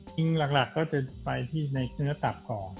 จริงหลักก็จะไปที่ในเนื้อตับก่อน